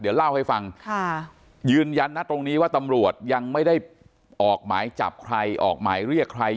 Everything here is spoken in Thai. เดี๋ยวเล่าให้ฟังค่ะยืนยันนะตรงนี้ว่าตำรวจยังไม่ได้ออกหมายจับใครออกหมายเรียกใคร